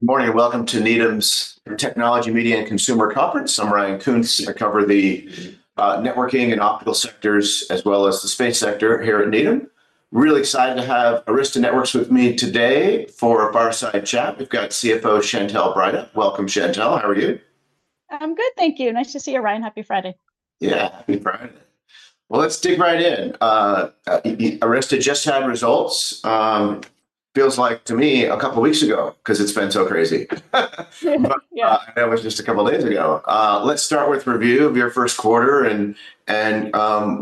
Good morning and welcome to NETM's Technology, Media, and Consumer Conference. I'm Ryan Coons. I cover the networking and optical sectors, as well as the space sector here at NETM. Really excited to have Arista Networks with me today for a fireside chat. We've got CFO Chantelle Breithaupt. Welcome, Chantelle. How are you? I'm good, thank you. Nice to see you, Ryan. Happy Friday. Yeah, happy Friday. Let's dig right in. Arista just had results. It feels like to me a couple of weeks ago, because it's been so crazy. Yeah. That was just a couple of days ago. Let's start with a review of your first quarter and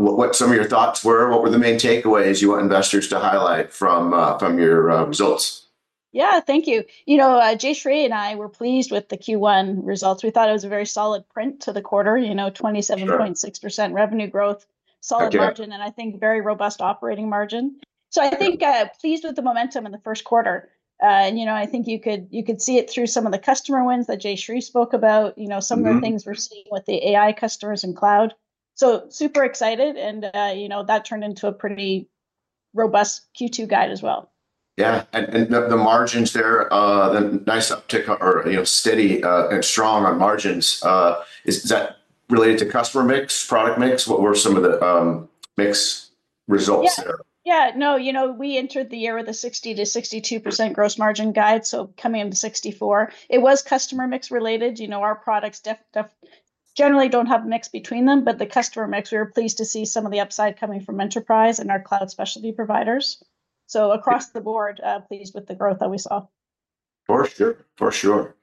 what some of your thoughts were. What were the main takeaways you want investors to highlight from your results? Yeah, thank you. Jayshree and I were pleased with the Q1 results. We thought it was a very solid print to the quarter, 27.6% revenue growth, solid margin, and I think very robust operating margin. I think pleased with the momentum in the first quarter. I think you could see it through some of the customer wins that Jayshree spoke about, some of the things we are seeing with the AI customers and cloud so super excited. That turned into a pretty robust Q2 guide as well. Yeah. And the margins there, the nice uptick or steady and strong on margins, is that related to customer mix, product mix? What were some of the mix results there? Yeah. Yeah. No, we entered the year with a 60 to 62% gross margin guide, so coming into 64%. It was customer mix related. Our products generally do not have a mix between them, but the customer mix, we were pleased to see some of the upside coming from enterprise and our cloud specialty providers. Across the board, pleased with the growth that we saw. For sure. For sure.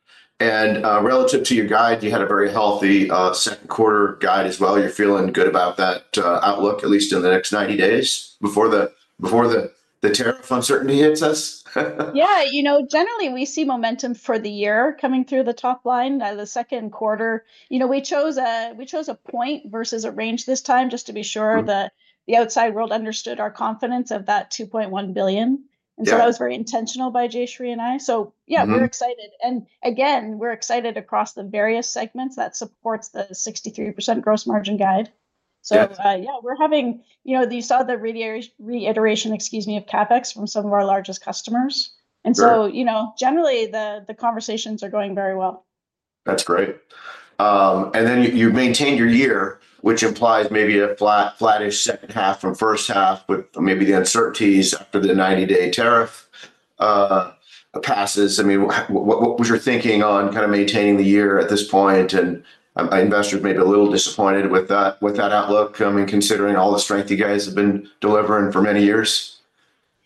Relative to your guide, you had a very healthy second quarter guide as well. You're feeling good about that outlook, at least in the next 90 days before the tariff uncertainty hits us? Yeah. Generally, we see momentum for the year coming through the top line. The second quarter, we chose a point versus a range this time just to be sure that the outside world understood our confidence of that $2.1 billion. That was very intentional by Jayshree and I. Yeah, we're excited. Again, we're excited across the various segments that supports the 63% gross margin guide. Yeah, you saw the reiteration, excuse me, of CapEx from some of our largest customers. Generally, the conversations are going very well. That's great. Then you've maintained your year, which implies maybe a flattish second half from first half with maybe the uncertainties after the 90-day tariff passes. I mean, what was your thinking on kind of maintaining the year at this point? Investors may be a little disappointed with that outlook, considering all the strength you guys have been delivering for many years?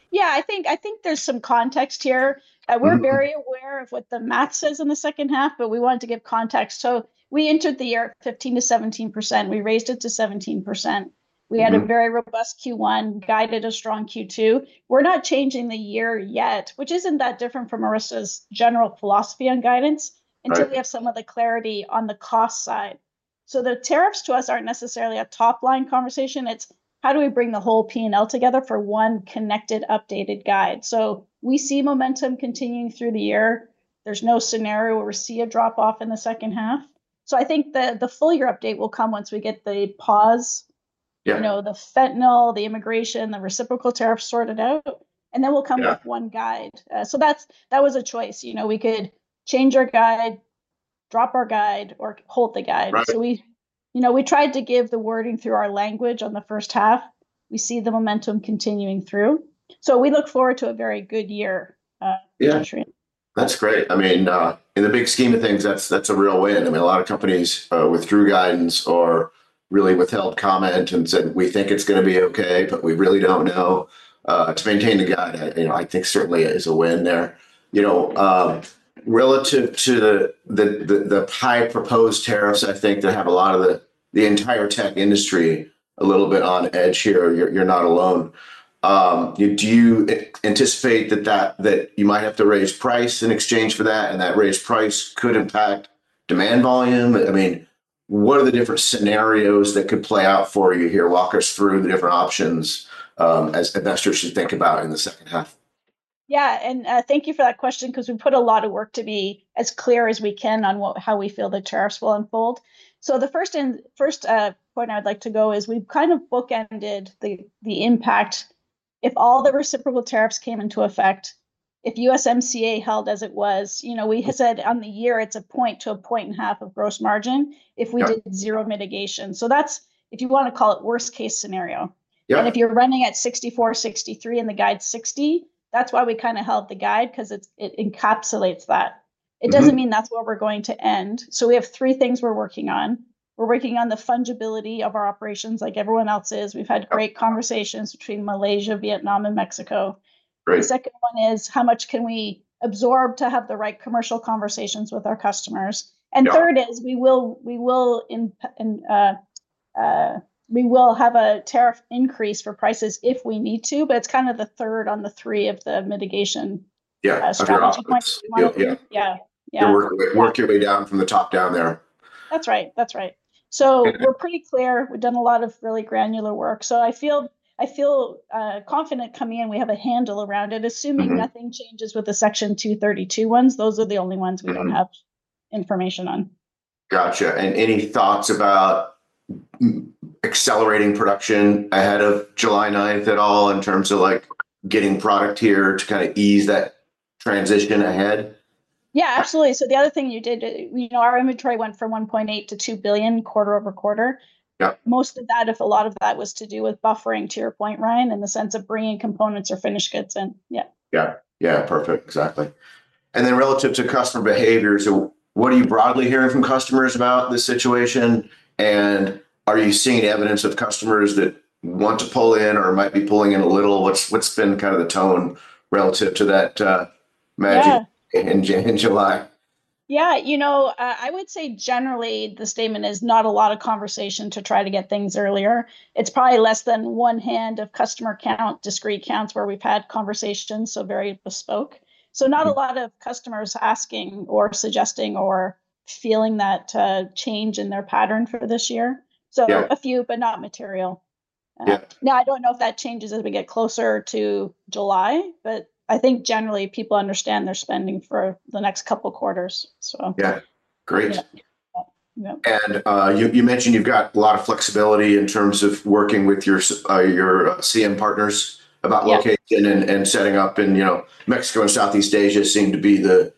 Yeah, I think there's some context here. We're very aware of what the math says in the second half, but we wanted to give context. We entered the year at 15-17%. We raised it to 17%. We had a very robust Q1, guided a strong Q2. We're not changing the year yet, which isn't that different from Arista's general philosophy on guidance until we have some of the clarity on the cost side. The tariffs to us aren't necessarily a top line conversation. It's how do we bring the whole P&L together for one connected, updated guide. We see momentum continuing through the year. There's no scenario where we see a drop off in the second half. I think the full year update will come once we get the pause, the fentanyl, the immigration, the reciprocal tariffs sorted out, and then we'll come with one guide. That was a choice. We could change our guide, drop our guide, or hold the guide. We tried to give the wording through our language on the first half. We see the momentum continuing through. We look forward to a very good year with Jayshree. Yeah, that's great. I mean, in the big scheme of things, that's a real win. I mean, a lot of companies withdrew guidance or really withheld comment and said, we think it's going to be okay, but we really don't know. To maintain the guide, I think certainly is a win there. Relative to the high proposed tariffs, I think that have a lot of the entire tech industry a little bit on edge here. You're not alone. Do you anticipate that you might have to raise price in exchange for that? And that raised price could impact demand volume. I mean, what are the different scenarios that could play out for you here? Walk us through the different options as investors should think about in the second half. Yeah. Thank you for that question because we put a lot of work to be as clear as we can on how we feel the tariffs will unfold. The first point I'd like to go is we've kind of bookended the impact if all the reciprocal tariffs came into effect, if USMCA held as it was. We said on the year, it's a point to a point and a half of gross margin if we did zero mitigation. That's, if you want to call it, worst case scenario. If you're running at 64, 63, and the guide is 60, that's why we kind of held the guide because it encapsulates that. It does not mean that's where we're going to end. We have three things we're working on. We're working on the fungibility of our operations like everyone else is. We've had great conversations between Malaysia, Vietnam, and Mexico. The second one is how much can we absorb to have the right commercial conversations with our customers. The third is we will have a tariff increase for prices if we need to, but it's kind of the third on the three of the mitigation strategy. Yeah. Yeah. Work your way down from the top down there. That's right. That's right. We're pretty clear. We've done a lot of really granular work. I feel confident coming in. We have a handle around it, assuming nothing changes with the Section 232 ones. Those are the only ones we don't have information on. Gotcha. Any thoughts about accelerating production ahead of July 9th at all in terms of getting product here to kind of ease that transition ahead? Yeah, absolutely. The other thing you did, our inventory went from $1.8 billion to $2 billion quarter over quarter. Most of that, if a lot of that was to do with buffering, to your point, Ryan, in the sense of bringing components or finished goods in. Yeah. Yeah. Yeah. Perfect. Exactly. Relative to customer behaviors, what are you broadly hearing from customers about this situation? Are you seeing evidence of customers that want to pull in or might be pulling in a little? What's been kind of the tone relative to that magic in July? Yeah. I would say generally the statement is not a lot of conversation to try to get things earlier. It's probably less than one hand of customer count, discrete counts where we've had conversations, so very bespoke. Not a lot of customers asking or suggesting or feeling that change in their pattern for this year. A few, but not material. Now, I don't know if that changes as we get closer to July, but I think generally people understand their spending for the next couple of quarters. Yeah. Great. You mentioned you've got a lot of flexibility in terms of working with your CM partners about location and setting up. Mexico and Southeast Asia seem to be the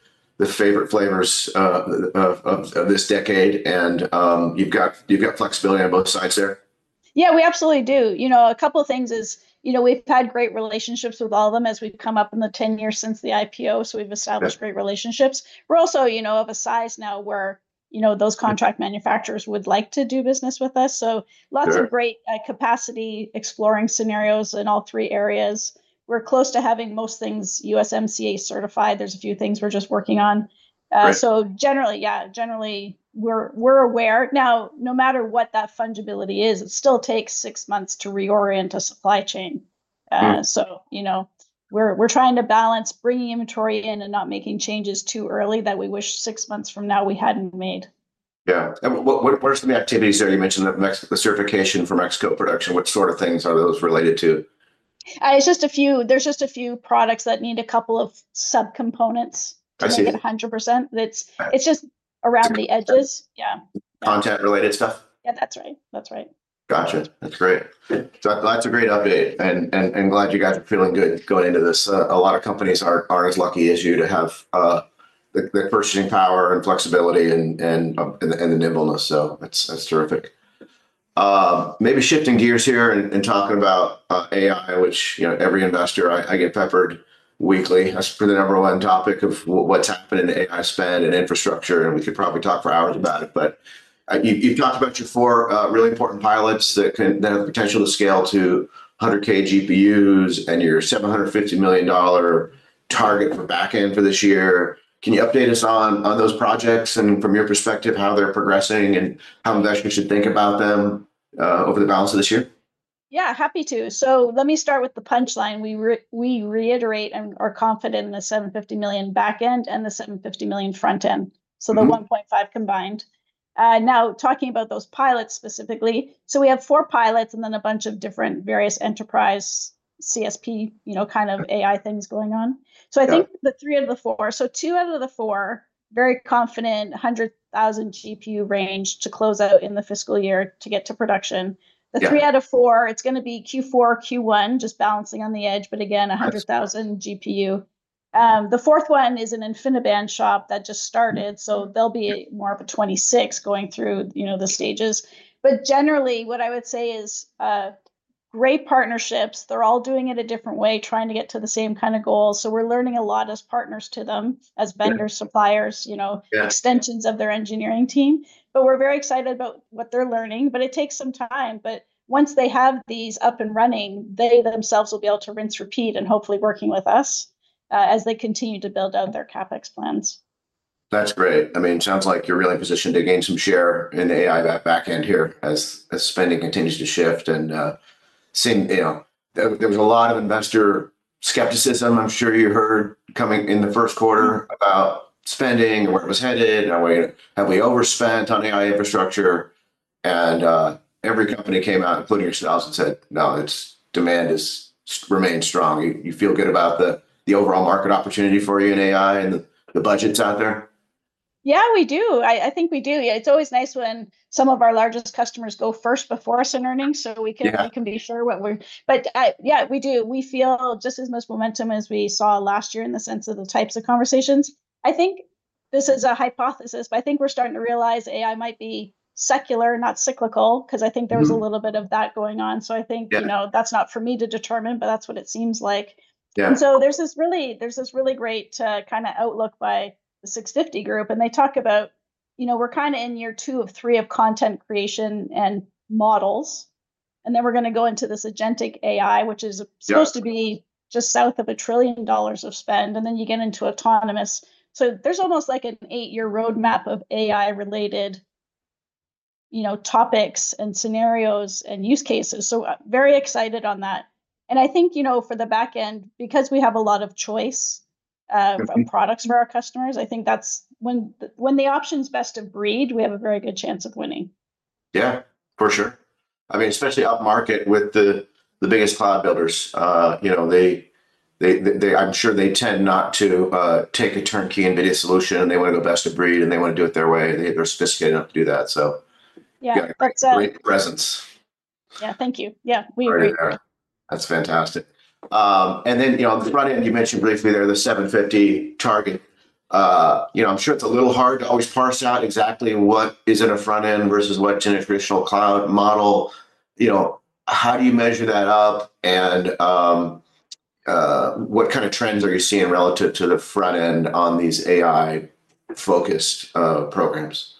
favorite flavors of this decade. You've got flexibility on both sides there. Yeah, we absolutely do. A couple of things is we've had great relationships with all of them as we've come up in the 10 years since the IPO. So we've established great relationships. We're also of a size now where those contract manufacturers would like to do business with us. So lots of great capacity exploring scenarios in all three areas. We're close to having most things USMCA certified. That's just a few things we're just working on. Generally, yeah, generally we're aware. Now, no matter what that fungibility is, it still takes six months to reorient a supply chain. We're trying to balance bringing inventory in and not making changes too early that we wish six months from now we hadn't made. Yeah. What are some activities there? You mentioned the certification for Mexico production. What sort of things are those related to? There's just a few products that need a couple of subcomponents to make it 100%. It's just around the edges. Yeah. Content-related stuff? Yeah, that's right. That's right. Gotcha. That's great. That's a great update. Glad you guys are feeling good going into this. A lot of companies aren't as lucky as you to have the purchasing power and flexibility and the nimbleness. That's terrific. Maybe shifting gears here and talking about AI, which every investor, I get peppered weekly for the number one topic of what's happening in AI spend and infrastructure. We could probably talk for hours about it. You've talked about your four really important pilots that have the potential to scale to 100,000 GPUs and your $750 million target for backend for this year. Can you update us on those projects and from your perspective how they're progressing and how investors should think about them over the balance of this year? Yeah, happy to. Let me start with the punchline. We reiterate and are confident in the $750 million backend and the $750 million frontend, so the $1.5 billion combined. Now, talking about those pilots specifically, we have four pilots and then a bunch of different various enterprise CSP kind of AI things going on. I think three out of the four, so two out of the four, very confident 100,000 GPU range to close out in the fiscal year to get to production. The three out of four, it is going to be Q4, Q1, just balancing on the edge, but again, 100,000 GPU. The fourth one is an InfiniBand shop that just started, so they will be more of a 2026 going through the stages. Generally, what I would say is great partnerships. They're all doing it a different way, trying to get to the same kind of goal. We're learning a lot as partners to them, as vendors, suppliers, extensions of their engineering team. We're very excited about what they're learning, but it takes some time. Once they have these up and running, they themselves will be able to rinse, repeat, and hopefully working with us as they continue to build out their CapEx plans. That's great. I mean, it sounds like you're really positioned to gain some share in the AI backend here as spending continues to shift. There was a lot of investor skepticism, I'm sure you heard coming in the first quarter about spending and where it was headed. Have we overspent on AI infrastructure? Every company came out, including yourselves, and said, no, demand remains strong. You feel good about the overall market opportunity for you in AI and the budgets out there? Yeah, we do. I think we do. It's always nice when some of our largest customers go first before us in earnings so we can be sure what we're—but yeah, we do. We feel just as much momentum as we saw last year in the sense of the types of conversations. I think this is a hypothesis, but I think we're starting to realize AI might be secular, not cyclical, because I think there was a little bit of that going on. I think that's not for me to determine, but that's what it seems like. There is this really great kind of outlook by the 650 Group. They talk about we're kind of in year two of three of content creation and models. Then we're going to go into this agentic AI, which is supposed to be just south of a trillion dollars of spend. Then you get into autonomous. There is almost like an eight-year roadmap of AI-related topics and scenarios and use cases. Very excited on that. I think for the backend, because we have a lot of choice of products for our customers, I think that is when the options best abread, we have a very good chance of winning. Yeah, for sure. I mean, especially up market with the biggest cloud builders. I'm sure they tend not to take a turnkey NVIDIA Solution. They want to go best abread, and they want to do it their way. They're sophisticated enough to do that. Great presence. Yeah. Thank you. Yeah, we agree. That's fantastic. On the front end, you mentioned briefly there the $750 million target. I'm sure it's a little hard to always parse out exactly what is in a front end versus what's in a traditional cloud model. How do you measure that up? What kind of trends are you seeing relative to the front end on these AI-focused programs?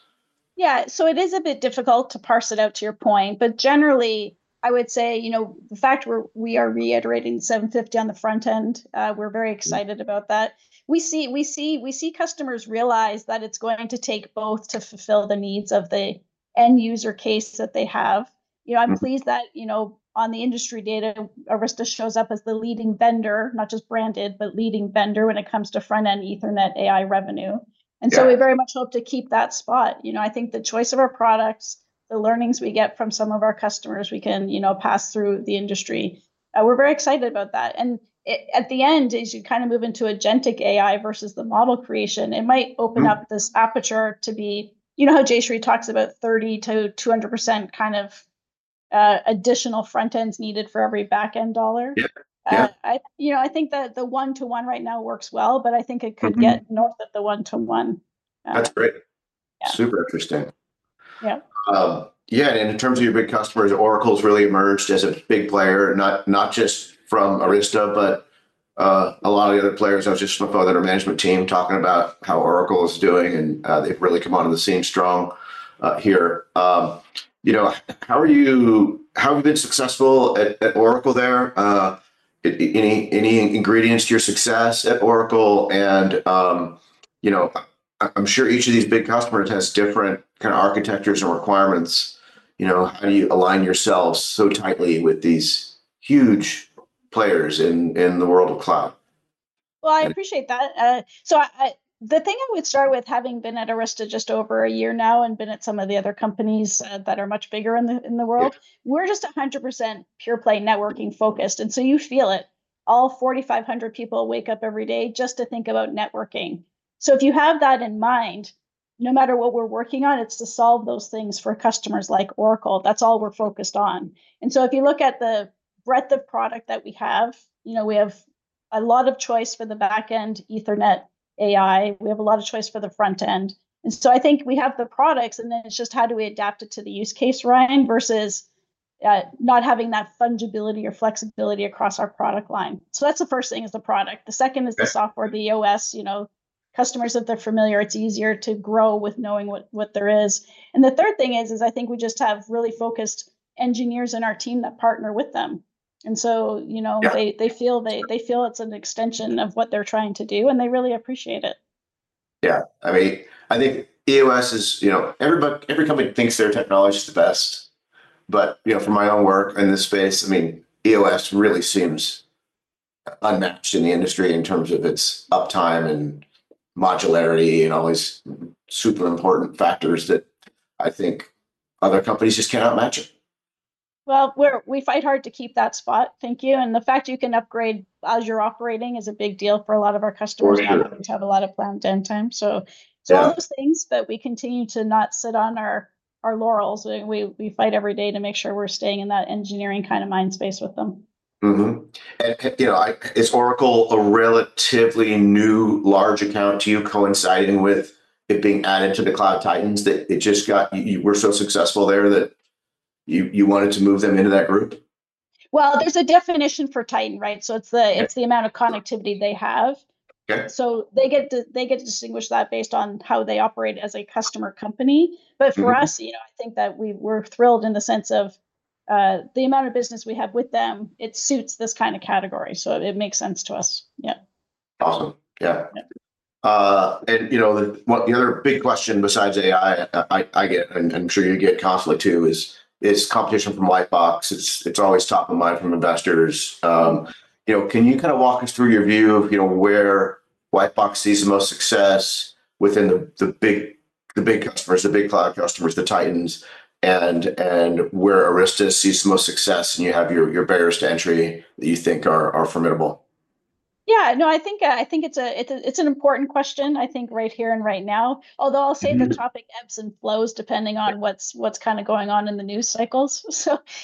Yeah. It is a bit difficult to parse it out to your point. Generally, I would say the fact we are reiterating $750 million on the front end, we're very excited about that. We see customers realize that it's going to take both to fulfill the needs of the end user case that they have. I'm pleased that on the industry data, Arista shows up as the leading vendor, not just branded, but leading vendor when it comes to front-end Ethernet AI revenue. We very much hope to keep that spot. I think the choice of our products, the learnings we get from some of our customers, we can pass through the industry. We're very excited about that. At the end, as you kind of move into agentic AI versus the model creation, it might open up this aperture to be, you know how Jayshree talks about 30-200% kind of additional front ends needed for every backend dollar? Yeah. Yeah. I think that the one-to-one right now works well, but I think it could get north of the one-to-one. That's great. Super interesting. Yeah. In terms of your big customers, Oracle's really emerged as a big player, not just from Arista, but a lot of the other players. I was just with our management team talking about how Oracle is doing, and they've really come onto the scene strong here. How have you been successful at Oracle there? Any ingredients to your success at Oracle? I'm sure each of these big customers has different kind of architectures and requirements. How do you align yourselves so tightly with these huge players in the world of cloud? I appreciate that. The thing I would start with, having been at Arista just over a year now and been at some of the other companies that are much bigger in the world, we're just 100% pure-play networking-focused. You feel it. All 4,500 people wake up every day just to think about networking. If you have that in mind, no matter what we're working on, it's to solve those things for customers like Oracle. That's all we're focused on. If you look at the breadth of product that we have, we have a lot of choice for the backend Ethernet AI. We have a lot of choice for the front end. I think we have the products, and then it is just how do we adapt it to the use case, Ryan, versus not having that fungibility or flexibility across our product line. That is the first thing, the product. The second is the software, the OS. Customers, if they are familiar, it is easier to grow with knowing what there is. The third thing is, I think we just have really focused engineers in our team that partner with them. They feel it is an extension of what they are trying to do, and they really appreciate it. Yeah. I mean, I think EOS is every company thinks their technology is the best. But from my own work in this space, I mean, EOS really seems unmatched in the industry in terms of its uptime and modularity and all these super important factors that I think other companies just cannot match it. We fight hard to keep that spot. Thank you. The fact you can upgrade as you're operating is a big deal for a lot of our customers who do not have a lot of planned end time. All those things, but we continue to not sit on our laurels. We fight every day to make sure we're staying in that engineering kind of mind space with them. Is Oracle a relatively new large account to you, coinciding with it being added to the Cloud Titans that it just got? We're so successful there that you wanted to move them into that group? There is a definition for Titan, right? It is the amount of connectivity they have. They get to distinguish that based on how they operate as a customer company. For us, I think that we are thrilled in the sense of the amount of business we have with them, it suits this kind of category. It makes sense to us. Yeah. Awesome. Yeah. The other big question besides AI I get, and I'm sure you get constantly too, is competition from LightBox. It's always top of mind from investors. Can you kind of walk us through your view of where LightBox sees the most success within the big customers, the big cloud customers, the Titans, and where Arista sees the most success, and you have your barriers to entry that you think are formidable? Yeah. No, I think it's an important question, I think, right here and right now. Although I'll say the topic ebbs and flows depending on what's kind of going on in the news cycles.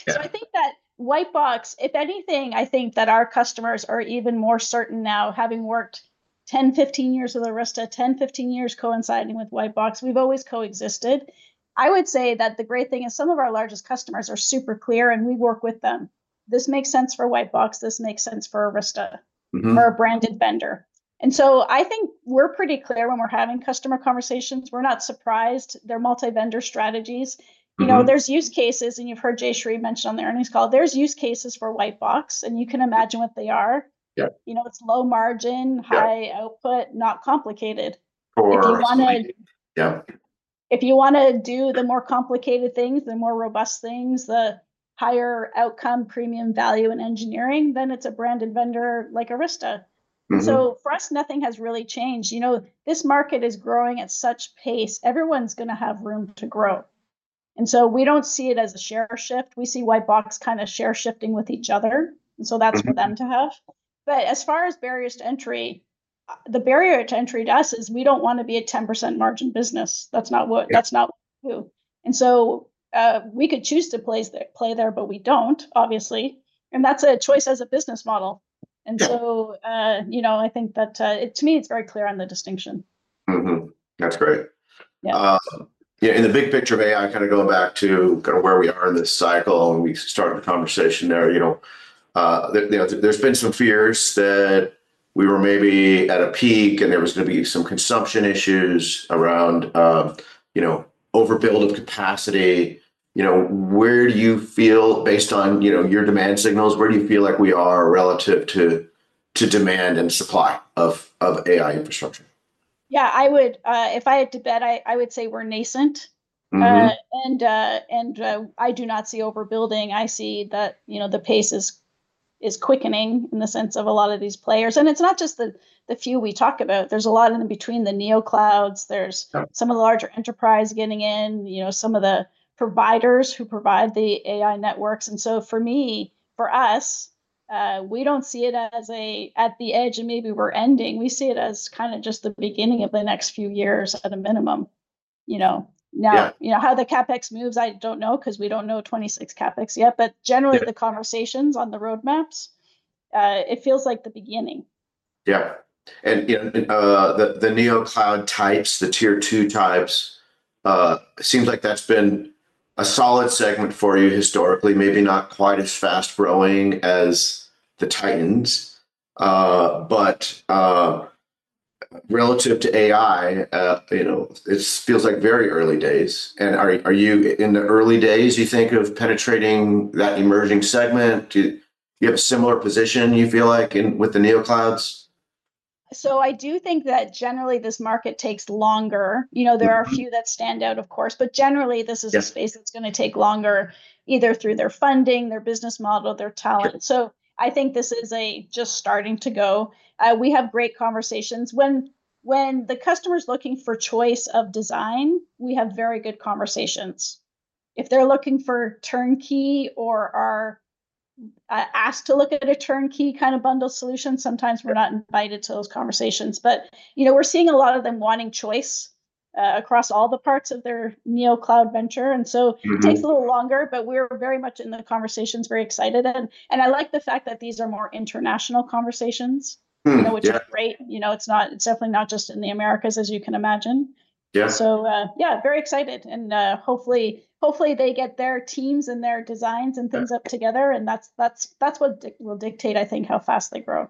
I think that LightBox, if anything, I think that our customers are even more certain now, having worked 10, 15 years with Arista, 10, 15 years coinciding with LightBox, we've always coexisted. I would say that the great thing is some of our largest customers are super clear, and we work with them. This makes sense for LightBox. This makes sense for Arista, for a branded vendor. I think we're pretty clear when we're having customer conversations. We're not surprised. They're multi-vendor strategies. There's use cases, and you've heard Jayshree mention on the earnings call. There's use cases for Lightbox, and you can imagine what they are. It's low margin, high output, not complicated. If you want to do the more complicated things, the more robust things, the higher outcome, premium value in engineering, then it's a branded vendor like Arista. For us, nothing has really changed. This market is growing at such pace. Everyone's going to have room to grow. We do not see it as a share shift. We see LightBox kind of share shifting with each other. That's for them to have. As far as barriers to entry, the barrier to entry to us is we do not want to be a 10% margin business. That's not what we do. We could choose to play there, but we do not, obviously. That's a choice as a business model. I think that to me, it's very clear on the distinction. That's great. Yeah. In the big picture of AI, kind of going back to kind of where we are in this cycle, and we started the conversation there, there's been some fears that we were maybe at a peak and there was going to be some consumption issues around overbuild of capacity. Where do you feel, based on your demand signals, where do you feel like we are relative to demand and supply of AI infrastructure? Yeah. If I had to bet, I would say we're nascent. I do not see overbuilding. I see that the pace is quickening in the sense of a lot of these players. It's not just the few we talk about. There's a lot of them between the NeoClouds. There's some of the larger enterprise getting in, some of the providers who provide the AI networks. For me, for us, we don't see it as at the edge and maybe we're ending. We see it as kind of just the beginning of the next few years at a minimum. Now, how the CapEx moves, I don't know because we don't know 2026 CapEx yet. Generally, the conversations on the roadmaps, it feels like the beginning. Yeah. And the NeoCloud types, the tier two types, it seems like that's been a solid segment for you historically, maybe not quite as fast growing as the Titans. Relative to AI, it feels like very early days. Are you in the early days, you think, of penetrating that emerging segment? Do you have a similar position, you feel like, with the NeoClouds? I do think that generally this market takes longer. There are a few that stand out, of course. Generally, this is a space that's going to take longer either through their funding, their business model, their talent. I think this is just starting to go. We have great conversations. When the customer is looking for choice of design, we have very good conversations. If they're looking for turnkey or are asked to look at a turnkey kind of bundle solution, sometimes we're not invited to those conversations. We're seeing a lot of them wanting choice across all the parts of their NeoCloud venture. It takes a little longer, but we're very much in the conversations, very excited. I like the fact that these are more international conversations, which is great. It's definitely not just in the Americas, as you can imagine. Yeah. Yeah, very excited. Hopefully, they get their teams and their designs and things up together. That is what will dictate, I think, how fast they grow.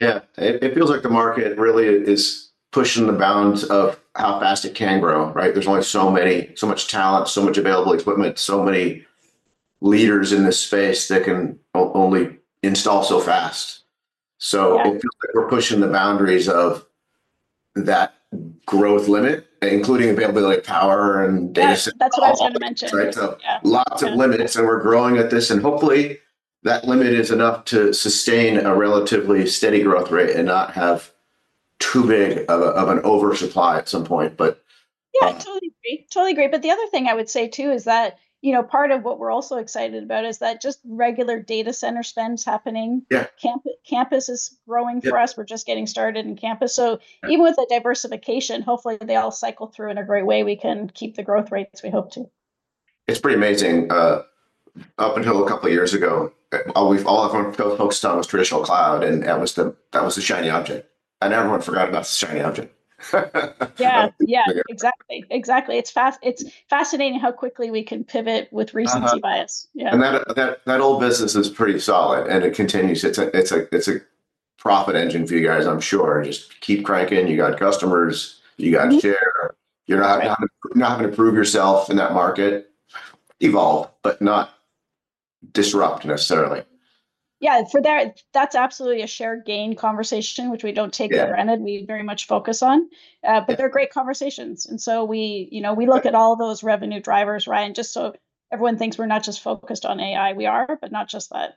Yeah. It feels like the market really is pushing the bounds of how fast it can grow, right? There's only so much talent, so much available equipment, so many leaders in this space that can only install so fast. It feels like we're pushing the boundaries of that growth limit, including availability of power and data centers. That's what I was going to mention. Right. Lots of limits, and we're growing at this. Hopefully, that limit is enough to sustain a relatively steady growth rate and not have too big of an oversupply at some point. Yeah, totally agree. Totally agree. The other thing I would say too is that part of what we're also excited about is that just regular data center spend is happening. Campus is growing for us. We're just getting started in campus. Even with the diversification, hopefully, they all cycle through in a great way. We can keep the growth rates, we hope to. It's pretty amazing. Up until a couple of years ago, all the folks were focused on was traditional cloud, and that was the shiny object. Everyone forgot about the shiny object. Yeah. Yeah. Exactly. It's fascinating how quickly we can pivot with recency bias. Yeah. That old business is pretty solid, and it continues. It's a profit engine for you guys, I'm sure. Just keep cranking. You got customers. You got share. You're not having to prove yourself in that market. Evolve, but not disrupt necessarily. Yeah. That is absolutely a shared gain conversation, which we do not take for granted. We very much focus on. They are great conversations. We look at all those revenue drivers, Ryan, just so everyone thinks we are not just focused on AI. We are, but not just that.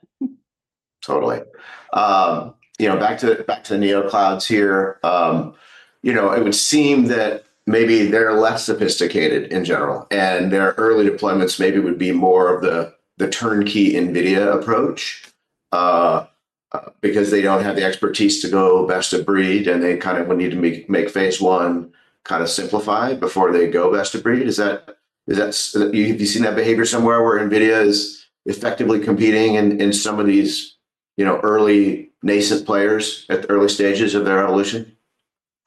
Totally. Back to the NeoClouds here, it would seem that maybe they're less sophisticated in general. Their early deployments maybe would be more of the turnkey NVIDIA approach because they don't have the expertise to go best of breed, and they kind of would need to make phase one kind of simplify before they go best of breed. Have you seen that behavior somewhere where NVIDIA is effectively competing in some of these early nascent players at the early stages of their evolution?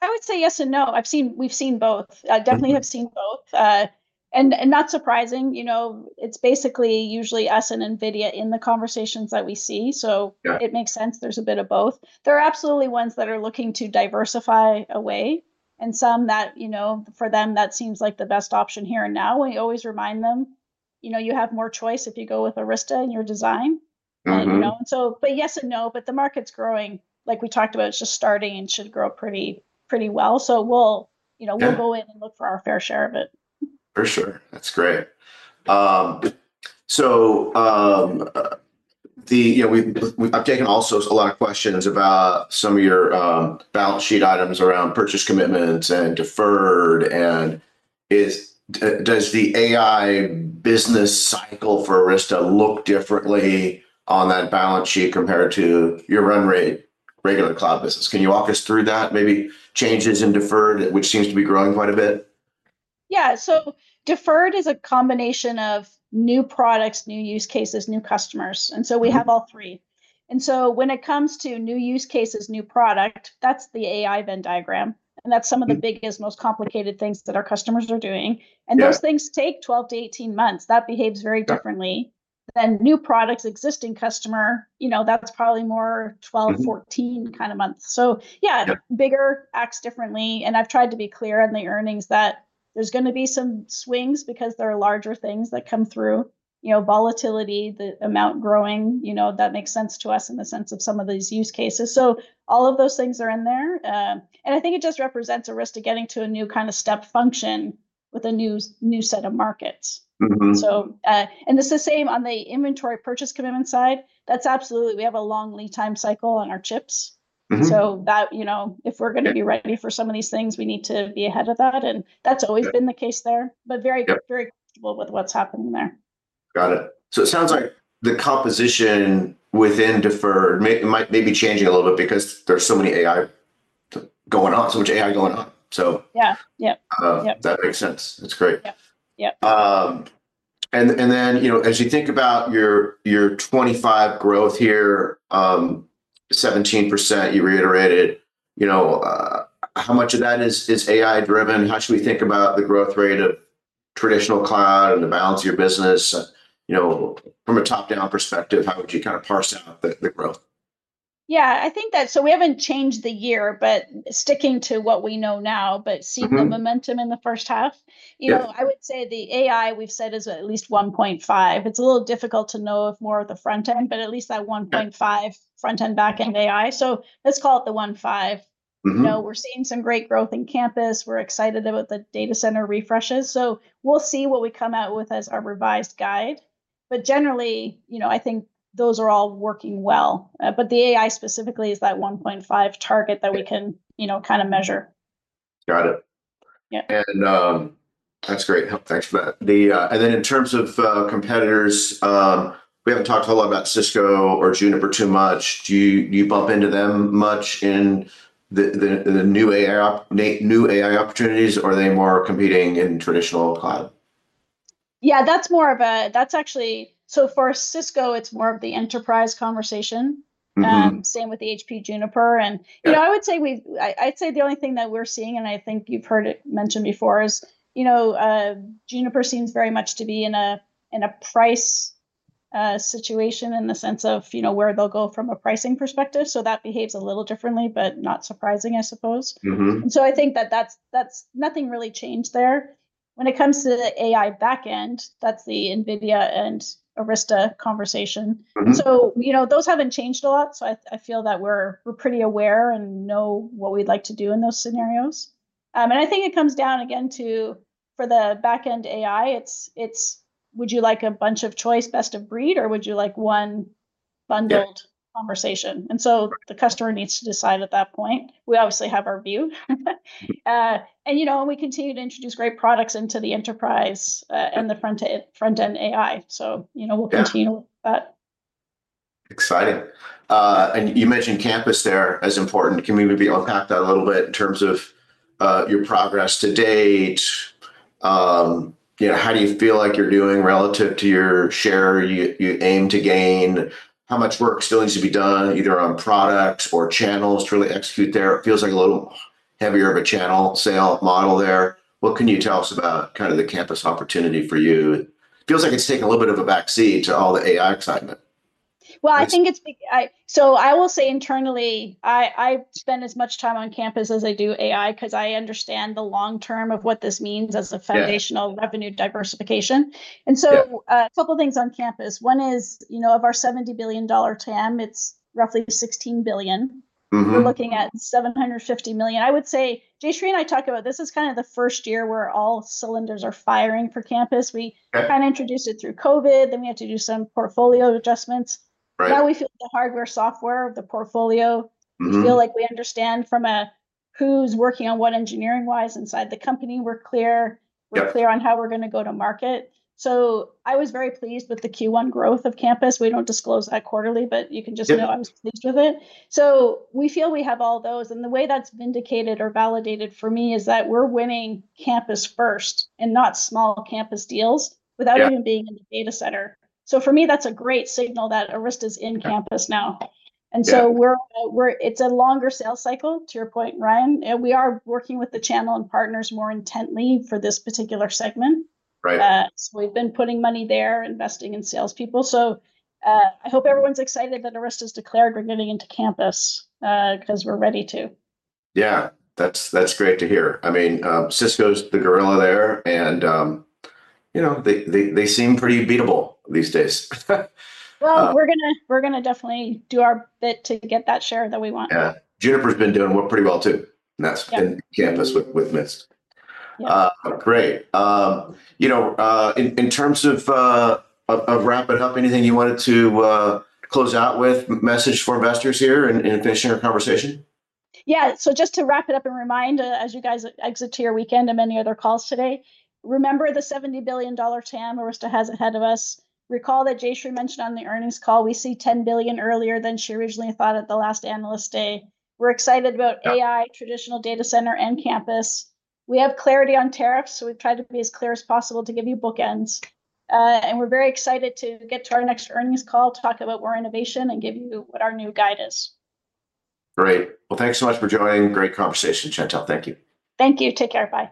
I would say yes and no. We've seen both. I definitely have seen both. Not surprising. It's basically usually us and NVIDIA in the conversations that we see. It makes sense. There's a bit of both. There are absolutely ones that are looking to diversify away and some that for them, that seems like the best option here and now. We always remind them, you have more choice if you go with Arista in your design. Yes and no, but the market's growing. Like we talked about, it's just starting and should grow pretty well. We will go in and look for our fair share of it. For sure. That's great. I've taken also a lot of questions about some of your balance sheet items around purchase commitments and deferred. Does the AI business cycle for Arista look differently on that balance sheet compared to your run rate regular cloud business? Can you walk us through that? Maybe changes in deferred, which seems to be growing quite a bit. Yeah. Deferred is a combination of new products, new use cases, new customers. We have all three. When it comes to new use cases, new product, that is the AI Venn diagram. That is some of the biggest, most complicated things that our customers are doing. Those things take 12 to 18 months. That behaves very differently than new products, existing customer. That is probably more 12 to 14 months. Yeah, bigger acts differently. I have tried to be clear on the earnings that there is going to be some swings because there are larger things that come through, volatility, the amount growing. That makes sense to us in the sense of some of these use cases. All of those things are in there. I think it just represents a risk of getting to a new kind of step function with a new set of markets. It is the same on the inventory purchase commitment side. That is absolutely, we have a long lead time cycle on our chips. If we are going to be ready for some of these things, we need to be ahead of that. That has always been the case there, but very comfortable with what is happening there. Got it. It sounds like the composition within deferred may be changing a little bit because there is so much AI going on. That makes sense. That is great. As you think about your 2025 growth here, 17%, you reiterated, how much of that is AI driven? How should we think about the growth rate of traditional cloud and the balance of your business? From a top-down perspective, how would you kind of parse out the growth? Yeah. So we have not changed the year, but sticking to what we know now, but seeing the momentum in the first half. I would say the AI we have said is at least $1.5 billion. It is a little difficult to know if more of the front end, but at least that $1.5 billion front end, back end AI. So let us call it the $1.5 billion. We are seeing some great growth in campus. We are excited about the data center refreshes. We will see what we come out with as our revised guide. Generally, I think those are all working well. The AI specifically is that $1.5 billion target that we can kind of measure. Got it. That's great. Thanks for that. In terms of competitors, we haven't talked a whole lot about Cisco or Juniper too much. Do you bump into them much in the new AI opportunities, or are they more competing in traditional cloud? Yeah, that's more of a that's actually so for Cisco, it's more of the enterprise conversation. Same with the HP Juniper. I would say the only thing that we're seeing, and I think you've heard it mentioned before, is Juniper seems very much to be in a price situation in the sense of where they'll go from a pricing perspective. That behaves a little differently, but not surprising, I suppose. I think that that's nothing really changed there. When it comes to the AI backend, that's the NVIDIA and Arista conversation. Those haven't changed a lot. I feel that we're pretty aware and know what we'd like to do in those scenarios. I think it comes down again to for the backend AI, it's would you like a bunch of choice, best abread, or would you like one bundled conversation? The customer needs to decide at that point. We obviously have our view. We continue to introduce great products into the enterprise and the front-end AI. We will continue with that. Exciting. You mentioned campus there as important. Can we maybe unpack that a little bit in terms of your progress to date? How do you feel like you're doing relative to your share, your aim to gain? How much work still needs to be done either on products or channels to really execute there? It feels like a little heavier of a channel sale model there. What can you tell us about kind of the campus opportunity for you? It feels like it's taking a little bit of a backseat to all the AI excitement. I will say internally, I spend as much time on Campus as I do AI because I understand the long term of what this means as a foundational revenue diversification. A couple of things on Campus. One is of our $70 billion TAM, it's roughly $16 billion. We're looking at $750 million. I would say Jayshree and I talk about this as kind of the first year where all cylinders are firing for Campus. We kind of introduced it through COVID. Then we had to do some portfolio adjustments. Now we feel the hardware, software, the portfolio. We feel like we understand from who's working on what engineering-wise inside the company. We're clear. We're clear on how we're going to go to market. I was very pleased with the Q1 growth of campus. We don't disclose that quarterly, but you can just know I was pleased with it. We feel we have all those. The way that's vindicated or validated for me is that we're winning campus first and not small campus deals without even being in the data center. For me, that's a great signal that Arista is in campus now. It's a longer sales cycle, to your point, Ryan. We are working with the channel and partners more intently for this particular segment. We've been putting money there, investing in salespeople. I hope everyone's excited that Arista's declared we're getting into campus because we're ready to. Yeah. That's great to hear. I mean, Cisco's the gorilla there, and they seem pretty beatable these days. We're going to definitely do our bit to get that share that we want. Yeah. Juniper's been doing pretty well too. That's been campus with Mist. Great. In terms of wrapping up, anything you wanted to close out with, message for investors here in finishing our conversation? Yeah. So just to wrap it up and remind, as you guys exit to your weekend and many other calls today, remember the $70 billion TAM Arista has ahead of us. Recall that Jayshree mentioned on the earnings call, we see $10 billion earlier than she originally thought at the last analyst day. We're excited about AI, traditional data center, and campus. We have clarity on tariffs, so we've tried to be as clear as possible to give you bookends. We're very excited to get to our next earnings call, talk about more innovation, and give you what our new guide is. Great. Thanks so much for joining. Great conversation, Chantelle. Thank you. Thank you. Take care. Bye.